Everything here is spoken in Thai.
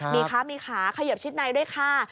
มีค้ามีขาเขยิบชิดในด้วยค่ะ